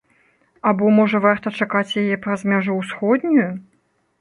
Або, можа, варта чакаць яе праз мяжу ўсходнюю?